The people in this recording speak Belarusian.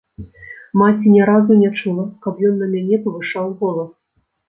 Маці не разу не чула, каб ён на мяне павышаў голас.